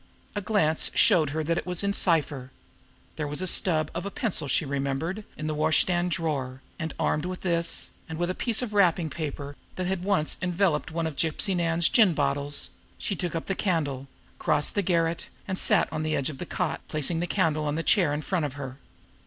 A glance showed her that it was in cipher. There was the stub of a pencil, she remembered, in the washstand drawer, and, armed with this, and a piece of wrapping paper that had once enveloped one of Gypsy Nan's gin bottles, she took up the candle, crossed the garret, and sat down on the edge of the cot, placing the candle on the chair in front of her.